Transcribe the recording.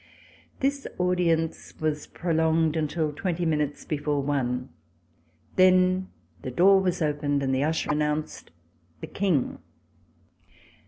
This audience was prolonged until twenty minutes before one. Then the door was opened and the usher announced, "The King."